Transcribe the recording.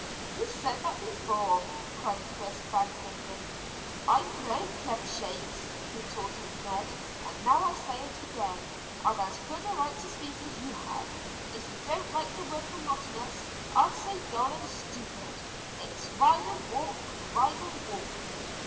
"You said that before," cried Chris banteringly. "I know, Clevershakes!" retorted Ned. "And now I say it again. I've as good a right to speak as you have. If you don't like the word monotonous, I'll say dull and stupid. It's ride and walk, ride and walk."